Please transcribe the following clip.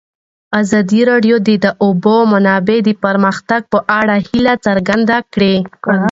ازادي راډیو د د اوبو منابع د پرمختګ په اړه هیله څرګنده کړې.